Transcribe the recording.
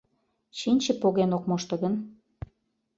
Чинче поген ок мошто гын